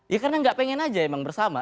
ya karena nggak pengen aja emang bersama